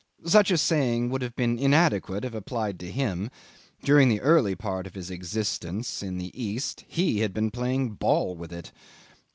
Such a saying would have been inadequate if applied to him; during the early part of his existence in the East he had been playing ball with it.